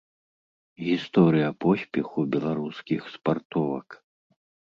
Гісторыя поспеху беларускіх спартовак.